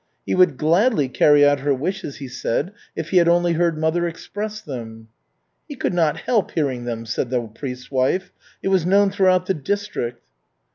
He would gladly carry out her wishes, he said, if he had only heard mother express them." "He could not help hearing them," said the priest's wife. "It was known throughout the district."